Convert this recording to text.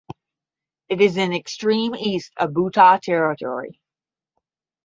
It is in extreme east of Buta Territory.